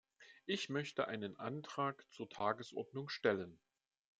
Ich möchte einen Antrag zur Tagesordnung stellen.